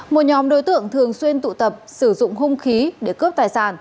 một nhóm đối tượng thường xuyên tụ tập sử dụng hung khí để cướp tài sản